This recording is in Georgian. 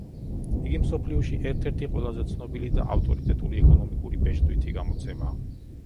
იგი მსოფლიოში ერთ-ერთი ყველაზე ცნობილი და ავტორიტეტული ეკონომიკური ბეჭდვითი გამოცემაა.